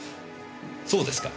そうですか。